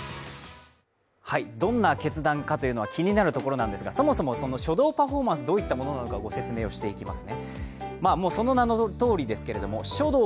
どんな決断かというのは気になるところなんですが、そもそも書道パフォーマンスどういったものかご説明していきます。